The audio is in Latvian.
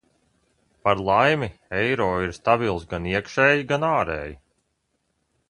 Par laimi eiro ir stabils gan iekšēji, gan ārēji.